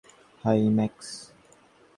High, max.